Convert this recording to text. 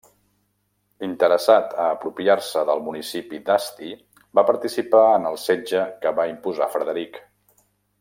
Interessat a apropiar-se del municipi d'Asti, va participar en el setge que va imposar Frederic.